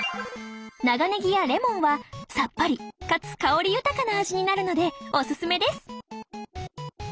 長ねぎやレモンはさっぱりかつ香り豊かな味になるのでオススメです